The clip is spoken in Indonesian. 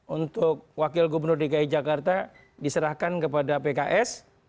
untuk wakil gubernur dki jakarta diserahkan kepada pks